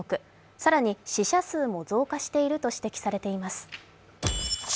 更に死者数も増加していると指摘されています。